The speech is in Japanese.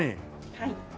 はい。